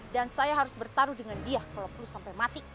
dan saya harus bertaruh dengan dia kalau perlu sampai mati